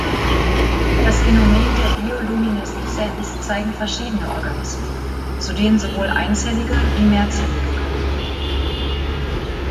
Das Phänomen der Biolumineszenz zeigen verschiedene Organismen, zu denen sowohl einzellige wie mehrzellige gehören.